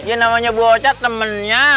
ya namanya bocat temennya